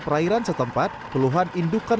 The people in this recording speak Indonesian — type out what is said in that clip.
perairan setempat peluhan indukan